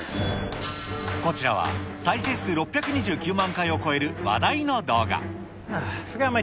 こちらは再生数６２９万回を超える、話題の動画。